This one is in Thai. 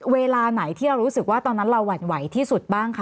เวลาไหนที่เรารู้สึกว่าตอนนั้นเราหวั่นไหวที่สุดบ้างคะ